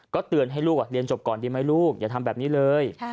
เตือนให้ลูกเรียนจบก่อนดีไหมลูกอย่าทำแบบนี้เลย